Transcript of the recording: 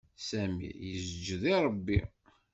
Sami yesǧed i Ṛebbi.